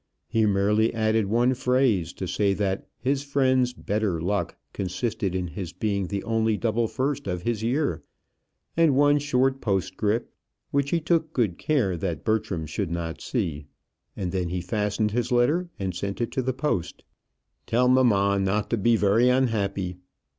He merely added one phrase, to say that his friend's "better luck" consisted in his being the only double first of his year, and one short postscript, which he took good care that Bertram should not see; and then he fastened his letter and sent it to the post. "Tell mamma not to be very unhappy."